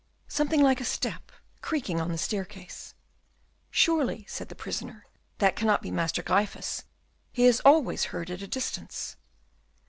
"Something like a step, creaking on the staircase." "Surely," said the prisoner, "that cannot be Master Gryphus, he is always heard at a distance."